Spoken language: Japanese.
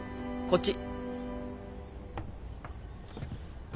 こっち。